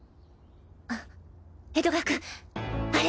あ江戸川君あれ！